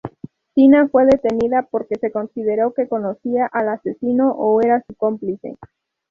Tina fue detenida porque se consideró que conocía al asesino o era su cómplice.